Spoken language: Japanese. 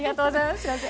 すいません。